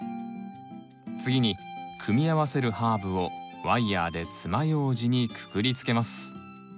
次に組み合わせるハーブをワイヤーでつまようじにくくりつけます。